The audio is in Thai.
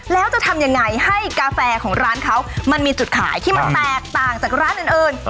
แล้วจะทำยังไงให้กาแฟของร้านเขามันมีจุดขายที่มันแตกต่างจากร้านอื่น